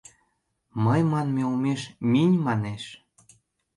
«Мый» манме олмеш «минь» манеш.